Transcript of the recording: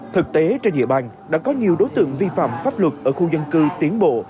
thực tế trên địa bàn đã có nhiều đối tượng vi phạm pháp luật ở khu dân cư tiến bộ